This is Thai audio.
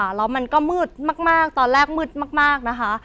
แล้วมันก็มืดมากตอนแรกมืดมากนะคะ